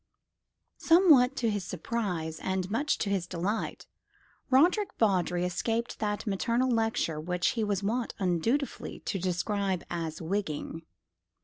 Somewhat to his surprise, and much to his delight, Roderick Vawdrey escaped that maternal lecture which he was wont undutifully to describe as a "wigging."